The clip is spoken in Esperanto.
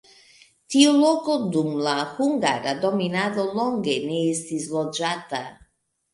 Tiu loko dum la hungara dominado longe ne estis loĝata.